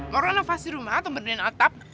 mau renovasi rumah atau berdiri di atap